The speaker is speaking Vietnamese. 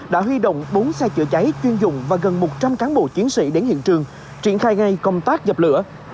đã huy động bốn xe chữa cháy chuyên dụng và gần một trăm linh cán bộ chiến sĩ đến hiện trường triển khai ngay công tác dập lửa